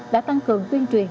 đã tăng cường tuyên truyền